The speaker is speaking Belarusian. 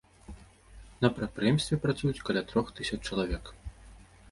На прадпрыемстве працуюць каля трох тысяч чалавек.